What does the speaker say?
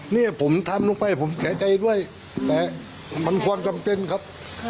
เนี่ยผมทำลงไปผมเสียใจด้วยแต่มันความจำเป็นครับ